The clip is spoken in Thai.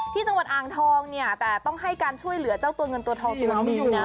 ที่จังหวัดอ่างทองเนี่ยแต่ต้องให้การช่วยเหลือเจ้าตัวเงินตัวทองตัวนี้อยู่นะ